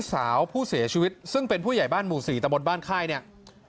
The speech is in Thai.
สาวผู้เสียชีวิตซึ่งเป็นผู้ใหญ่บ้านหมู่๔ตะบนบ้านค่ายเนี่ย